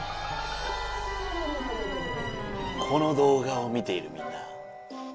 この動画を見ているみんな！